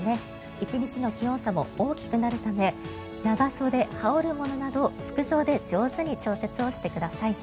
１日の気温差も大きくなるため長袖、羽織るものなど服装で上手に調整をしてください。